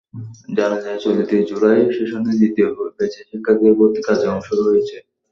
জানা যায়, চলতি জুলাই সেশনে দ্বিতীয় ব্যাচে শিক্ষার্থীদের ভর্তি কার্যক্রম শুরু হয়েছে।